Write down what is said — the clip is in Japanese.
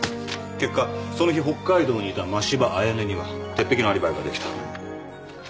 結果その日北海道にいた真柴綾音には鉄壁のアリバイができた。